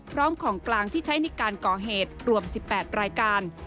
ของกลางที่ใช้ในการก่อเหตุรวม๑๘รายการ